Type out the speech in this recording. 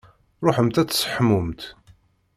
Ṛuḥemt ad tseḥmumt.